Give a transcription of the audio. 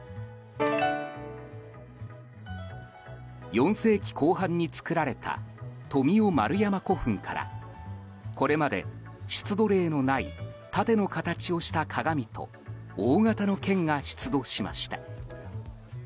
４世紀後半に造られた富雄丸山古墳からこれまで出土例のない盾の形をした鏡と大型の剣が出土しました。